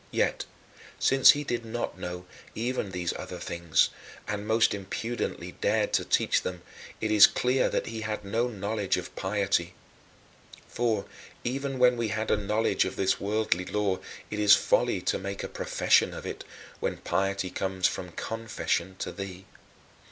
Yet, since he did not know even these other things, and most impudently dared to teach them, it is clear that he had no knowledge of piety. For, even when we have a knowledge of this worldly lore, it is folly to make a profession of it, when piety comes from confession to thee.